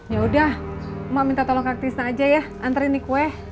ya udah emak minta tolong kak trisna aja ya antarin nih kue